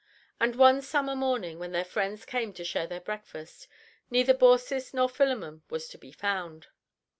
And one summer morning when their friends came to share their breakfast, neither Baucis nor Philemon was to be found!